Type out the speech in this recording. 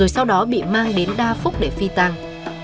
sau đó bị mang đến đa phúc để phi tăng